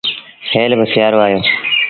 هيل با سيٚآرو آيو